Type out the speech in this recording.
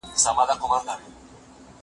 زه مخکي ونې ته اوبه ورکړې وې!!